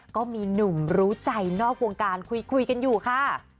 ก็มีหนุ่มรู้ใจนอกวงการคุยกันอยู่ค่ะ